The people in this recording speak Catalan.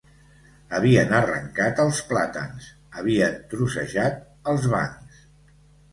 Havien arrencat els plàtans, havien trocejat els bancs